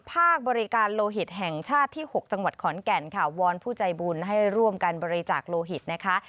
ภาคบริการโลหิตแห่งชาติที่๖จังหวัดขอนแก่นค่ะวอนผู้ใจบุญให้ร่วมกันบริจาคโลหิตนะคะ